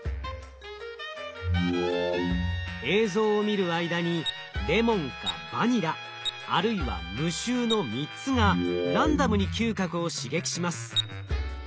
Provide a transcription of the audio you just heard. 映像を見る間にレモンかバニラあるいは無臭の３つがランダムに嗅覚を刺激します。